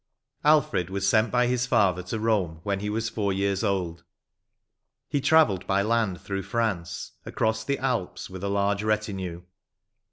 Alfred was sent by his father to Some when he was four years old; he travelled by land through France, across the Alps, with a large retinue.